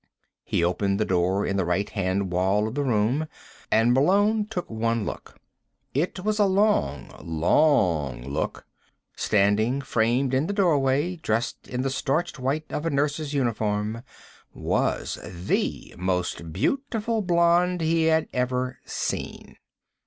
He opened the door in the right hand wall of the room, and Malone took one look. It was a long, long look. Standing framed in the doorway, dressed in the starched white of a nurse's uniform, was the most beautiful blonde he had ever seen.